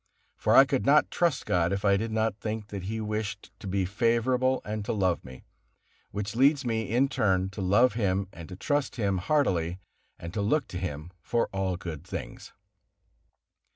For I could not trust God, if I did not think that He wished to be favorable and to love me, which leads me, in turn, to love Him and to trust Him heartily and to look to Him for all good things.